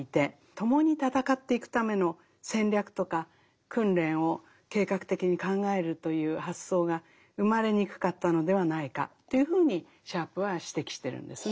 共に戦っていくための戦略とか訓練を計画的に考えるという発想が生まれにくかったのではないかというふうにシャープは指摘してるんですね。